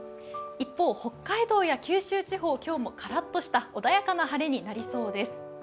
一方北海道や九州地方今日もカラッとした穏やかな晴れになりそうです。